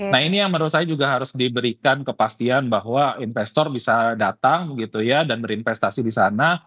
nah ini yang menurut saya juga harus diberikan kepastian bahwa investor bisa datang gitu ya dan berinvestasi di sana